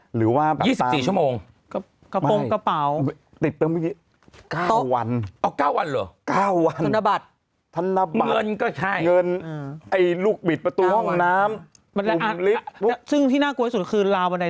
หรือไม่กระทั่งขึ้นทักซี่